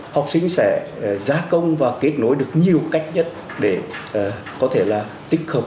học sinh sẽ gia công và kết nối được nhiều cách nhất để có thể là tích hợp